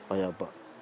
oh ya pak